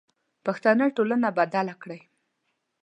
پښتنه ټولنه بدله کړئ.